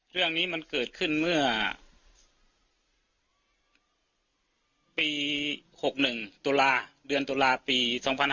เรื่องนี้มันเกิดขึ้นเมื่อปี๖๑ตุลาเดือนตุลาปี๒๕๕๙